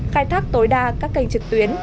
khai thác tối đa các kênh trực tuyến